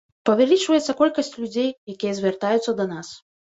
Павялічваецца колькасць людзей, якія звяртаюцца да нас.